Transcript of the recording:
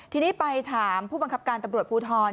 ทีนี้ไปถามผู้บังคับการตำรวจภูทร